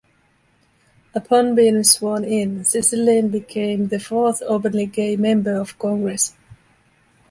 Upon being sworn in, Cicilline became the fourth openly gay member of Congress.